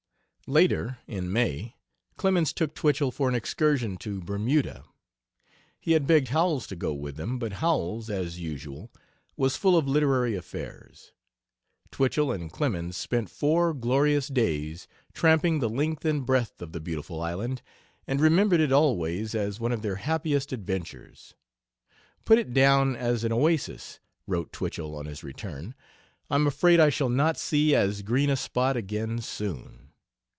Later, in May, Clemens took Twichell for an excursion to Bermuda. He had begged Howells to go with them, but Howells, as usual, was full of literary affairs. Twichell and Clemens spent four glorious days tramping the length and breadth of the beautiful island, and remembered it always as one of their happiest adventures. "Put it down as an Oasis!" wrote Twichell on his return, "I'm afraid I shall not see as green a spot again soon.